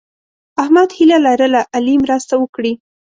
احمد هیله لرله علي مرسته وکړي.